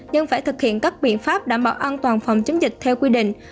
nhưng phải thực hiện các biện pháp đảm bảo an toàn phòng chống dịch theo quy định